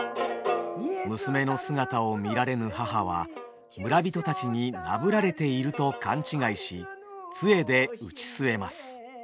娘の姿を見られぬ母は村人たちになぶられていると勘違いしつえで打ち据えます。